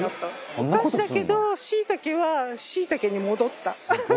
お菓子だけどしいたけはしいたけに戻った。